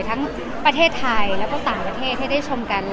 ทั้งประเทศไทยและสหรัฐประเทศให้ชมกัน